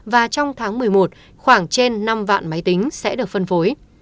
và trong tháng một mươi một khoảng trên năm vạn máy tính sẽ được phân phối